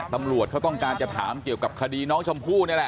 ตำรวจเขาต้องการจะถามเกี่ยวกับคดีน้องชมพู่นี่แหละ